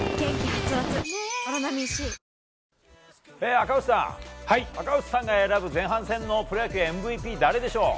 赤星さん、赤星さんが選ぶ前半戦のプロ野球、ＭＶＰ誰でしょう？